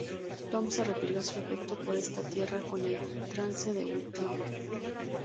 Tom se refirió a su afecto por esta tierra como el "trance de Wicklow".